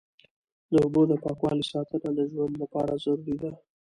د اوبو د پاکوالي ساتنه د ژوند لپاره ضروري ده.